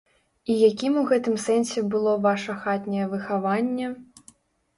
І якім у гэтым сэнсе было ваша хатняе выхаванне?